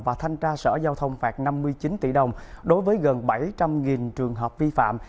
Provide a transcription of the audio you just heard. và thanh tra sở giao thông phạt năm mươi chín tỷ đồng đối với gần bảy trăm linh trường hợp vi phạm